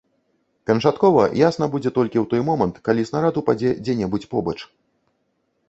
Канчаткова ясна будзе толькі ў той момант, калі снарад упадзе дзе-небудзь побач.